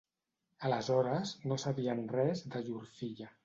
Aleshores no sabien res de llur filla.